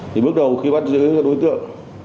thì bước đầu khi bắt giữ đối tượng